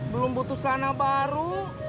belum butuh celana baru